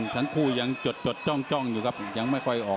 ทำใจจันทร์ก็ช้าปีมาพัย